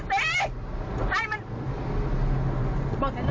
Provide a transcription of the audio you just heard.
ใครมันบอกแค่นั้น